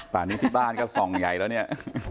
ป่านนี้ที่บ้านก็ส่องใหญ่แล้วเนี่ย